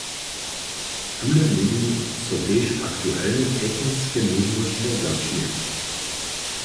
Tule měli so tež aktualne techniske móžnosće zapřijeć.